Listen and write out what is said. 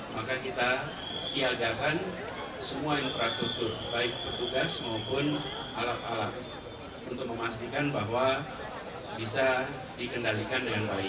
maka kita siagakan semua infrastruktur baik petugas maupun alat alat untuk memastikan bahwa bisa dikendalikan dengan baik